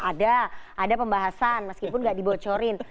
ada pembahasan meskipun nggak dibocorin